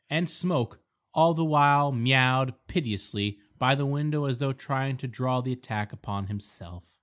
And Smoke all the while meowed piteously by the window as though trying to draw the attack upon himself.